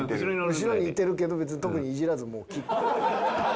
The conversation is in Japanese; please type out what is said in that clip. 後ろにいてるけど別に特にイジらずもう切って。